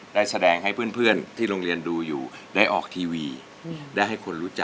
ได้แสดงให้เพื่อนเพื่อนที่โรงเรียนดูอยู่ได้ออกทีวี